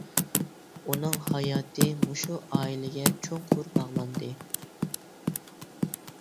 ئۇنىڭ ھاياتى مۇشۇ ئائىلىگە چوڭقۇر باغلاندى.